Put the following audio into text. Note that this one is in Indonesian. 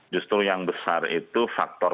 justru yang besar itu faktor